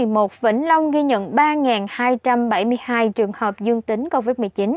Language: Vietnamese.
một vĩnh long ghi nhận ba hai trăm bảy mươi hai trường hợp dương tính covid một mươi chín